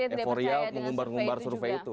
eforia mengumbar umbar survei itu